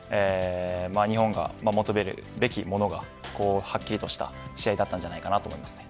日本が求めるべきものがはっきりとした試合だったんじゃないかと思います。